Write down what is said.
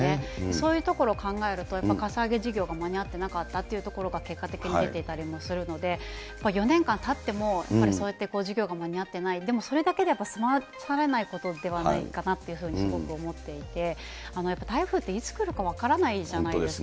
そういうところを考えると、やっぱかさ上げ事業が間に合っていなかったというところが結果的に出てたりもするので、４年間たっても、やっぱりそうやって事業が間に合ってない、それだけで済まされないことではないかなというふうにすごく思っていて、やっぱ台風っていつ来るか分からないじゃないですか。